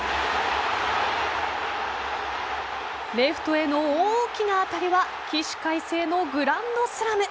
レフトへの大きな当たりは起死回生のグランドスラム。